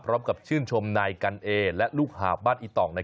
พร้อมกับชื่นชมนายกันเอและลูกหาบบ้านอีต่อง